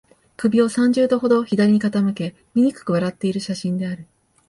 首を三十度ほど左に傾け、醜く笑っている写真である